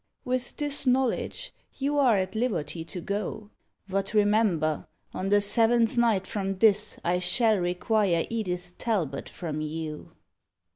With this knowledge, you are at liberty to go. But remember, on the seventh night from this I shall require Edith Talbot from you!"